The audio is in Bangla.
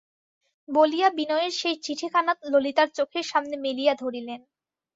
বলিয়া বিনয়ের সেই চিঠিখানা ললিতার চোখের সামনে মেলিয়া ধরিলেন।